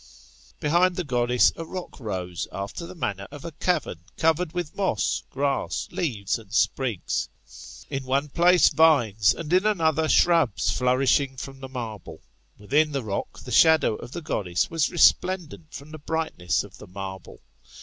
Behind the goddess a rock rvose, after the manner of a cavern covered with moss, grass, leaves, and sprigs; in one place vines, and in another shrubs, flourishing from the marble. Within the rock the shadow of the goddess was resplendent from the brightness of the marble.